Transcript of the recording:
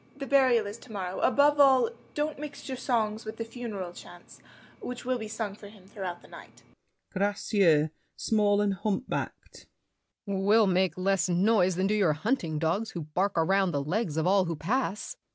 The burial is to morrow. Above all, Don't mix your songs with the funereal chants Which will be sung for him throughout the night. GRACIEUX (small and hump backed). We'll make less noise than do your hunting dogs Who bark around the legs of all who pass! LACKEY.